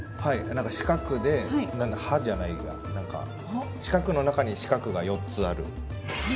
何か四角で歯じゃないが何か四角の中に四角が４つある。